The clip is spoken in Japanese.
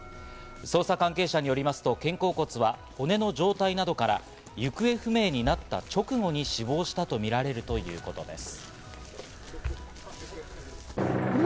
捜査関係者によりますと、肩甲骨は骨の状態などから行方不明になった直後に死亡したとみられるということです。